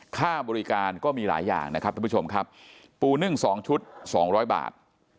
ค่าบริการก็มีหลายอย่างนะครับท่านผู้ชมครับปูนึ่ง๒ชุด๒๐๐บาท